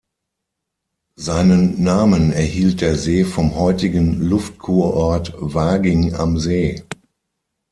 Seinen Namen erhielt der See vom heutigen Luftkurort Waging am See.